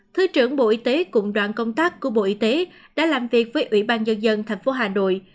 thứ trưởng bộ y tế cùng đoàn công tác của bộ y tế đã làm việc với ủy ban nhân dân thành phố hà nội